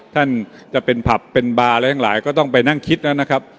ท่านจะเป็นผับเป็นบาร์อะไรทั้งหลายก็ต้องไปนั่งคิดแล้วนะครับ